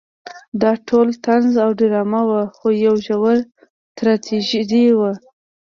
دا ټول طنز او ډرامه وه خو یوه ژوره تراژیدي وه.